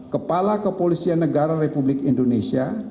kepala kepolisian negara republik indonesia